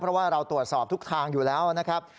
เพราะว่าเราตรวจสอบทุกทางอยู่แล้วนะครับ